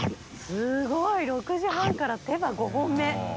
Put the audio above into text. すごい６時半から手羽５本目。